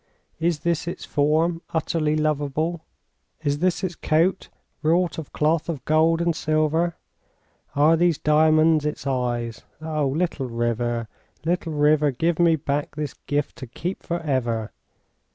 Is this its form, utterly lovable? Is this its coat, wrought of cloth of gold and silver? Are these diamonds its eyes?... Oh, little river, little river, give me back this gift to keep for ever!